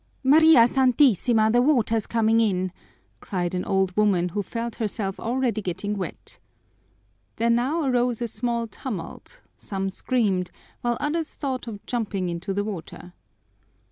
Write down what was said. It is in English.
"María Santísima! The water's coming in," cried an old woman who felt herself already getting wet. There now arose a small tumult; some screamed, while others thought of jumping into the water.